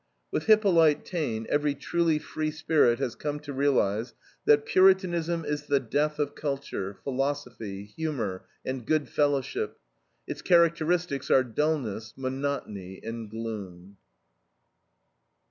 With Hippolyte Taine, every truly free spirit has come to realize that "Puritanism is the death of culture, philosophy, humor, and good fellowship; its characteristics are dullness, monotony, and gloom."